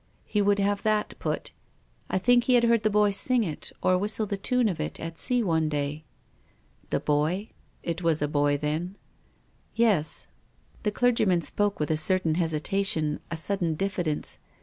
He would have that put. I think he had heard the boy sing it, or whistle the tune of it, at sea one day." "The boy? It was a boy then?" THE RAINBOW. 47 "Yes." The clerg>'man spoke with a certain hesitation, a sudden diffidence.